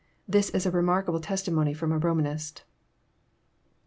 This is a remarkable testimony trom a Romanist.